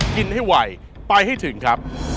กินให้ไวไปให้ถึงครับ